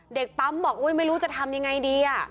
เด็กปั๊มบอกไม่รู้จะทำยังไงดี